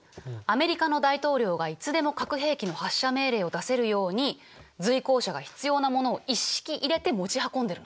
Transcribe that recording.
アメリカの大統領がいつでも核兵器の発射命令を出せるように随行者が必要なものを一式入れて持ち運んでるの。